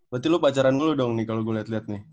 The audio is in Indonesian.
berarti lu pacaran dulu dong nih kalo gue liat liat nih